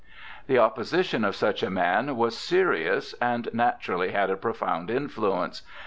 The opposition of such a man was serious, and natu rally had a profound influence.